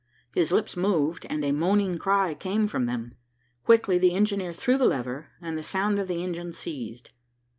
His lips moved, and a moaning cry came from them. Quickly the engineer threw the lever, and the sound of the engine ceased.